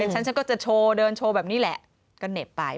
ฉันก็จะโชว์เดินโชว์แบบนี้แหละก็เหน็บไป